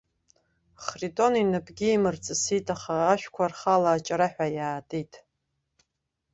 Хритон инапгьы имырҵысит, аха ашәқәа рхала аҷараҳәа иаатит.